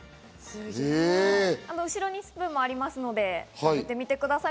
後ろにスプーンもありますので食べてみてください。